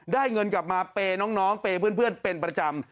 เงินกลับมาเปย์น้องเปย์เพื่อนเป็นประจำ